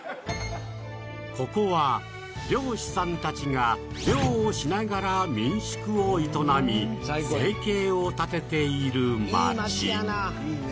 ここは漁師さんたちが漁をしながら民宿を営み生計を立てている町いいね